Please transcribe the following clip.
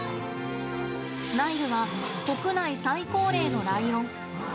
ナイルは国内最高齢のライオン。